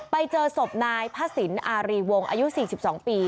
ไปเจอศพนายพระศิลป์อารีวงอายุ๔๒ปี